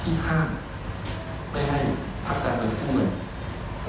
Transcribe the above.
ที่ห้ามไปให้พักการเมืองเป็นคู่เมือง